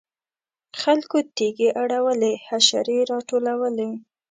خلکو تیږې اړولې حشرې راټولولې.